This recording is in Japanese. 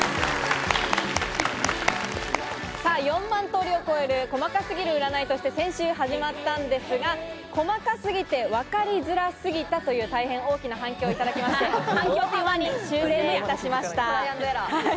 ４万通りを超える細かすぎる占いとして先週、始まったんですが、細かすぎてわかりづらすぎたという大変大きな反響いただきまして、大幅に修正いたしました。